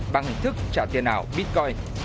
bằng hình thức trả tiền ảo bitcoin